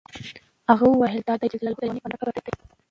هغه وویل دا د خدای جل جلاله د یو نیک بنده قبر دی.